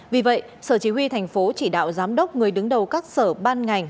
vì vậy sở chỉ huy thành phố chỉ đạo giám đốc người đứng đầu các sở ban ngành